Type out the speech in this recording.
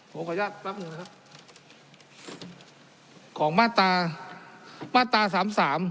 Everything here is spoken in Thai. ผมขออนุญาตแป๊บหนึ่งนะครับของมาตรามาตราสามสาม